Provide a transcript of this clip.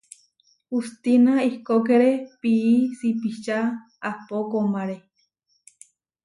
Hustina ihkókere pií sipičá ahpó komáre.